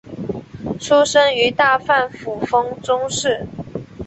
出身于大阪府丰中市。